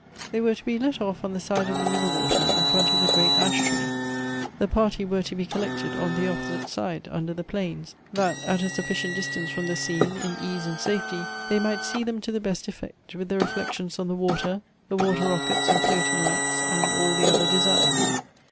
They were to be let off on the side of the middle water in front of the great ash tioc. The party wore to be collected on the opposite side, under the planes, that at a sufficient distance from the scene, in ease and safety, they might see them to the best effect, with the reflections on the water, the water rockets, and floating lights, and all the other designs.